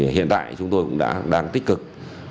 hiện tại chúng tôi cũng đang tích cực